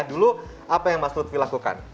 dulu apa yang mas lutfi lakukan